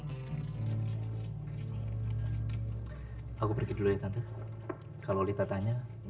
ini kan masalah keluarga kami jadi kami harus tahu bi